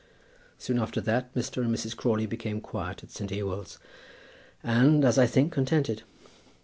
Soon after that, Mr. and Mrs. Crawley became quiet at St. Ewolds, and, as I think, contented.